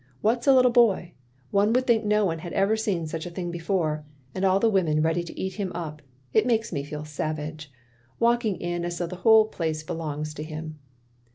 What 's a little boy? One would think no one had ever seen such a thing before; and all the women ready to eat him up. It makes me feel savage. Walking in as though the whole place belongs to him."